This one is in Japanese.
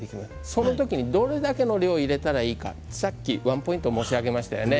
その時どれだけの量を入れたらいいのかさっきワンポイントを申し上げましたね。